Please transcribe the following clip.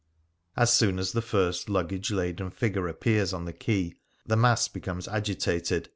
As soon as the first luggage laden figure appears on the quay, the mass becomes agitated.